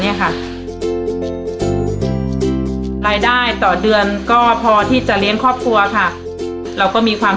มีความสุขขึ้นค่ะพอที่จะเหลือเก็บแบ่งเบาภาระได้ทุกอย่าง